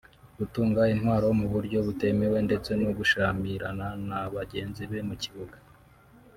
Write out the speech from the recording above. gutunga intwaro mu buryo butemewe ndetse no gushyamirana na bagenzi be mu kibuga